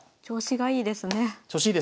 調子いいですね。